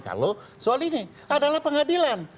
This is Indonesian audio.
kalau soal ini adalah pengadilan